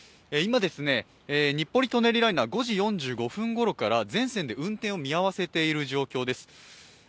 今、日暮里・舎人ライナー、５時４５分ごろから全線で運転を見合わせている状況です。